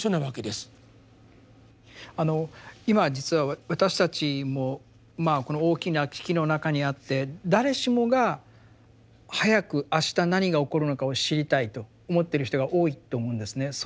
あの今実は私たちもこの大きな危機の中にあって誰しもが早くあした何が起こるのかを知りたいと思ってる人が多いと思うんですね。